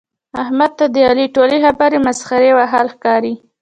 احمد ته د علي ټولې خبرې مسخرې وهل ښکاري.